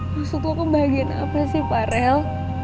maksud lo kebahagiaan apa sih parel